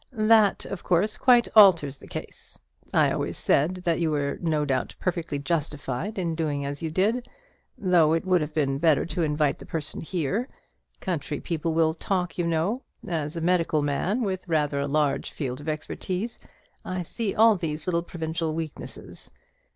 "That, of course, quite alters the case. I always said that you were no doubt perfectly justified in doing as you did; though it would have been better to invite the person here. Country people will talk, you know. As a medical man, with rather a large field of experience, I see all these little provincial weaknesses.